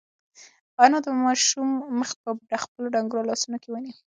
انا د ماشوم مخ په خپلو ډنگرو لاسونو کې ونیو.